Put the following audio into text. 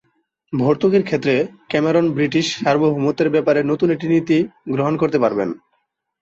ভর্তুকির ক্ষেত্রে Cameron British সার্বভৌমত্বের ব্যাপারে নতুন একটি নীতি গ্রহণ করতে পারবেন।